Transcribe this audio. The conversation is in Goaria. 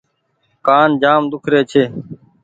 ڪآن جآم ۮوکري ڇي ۔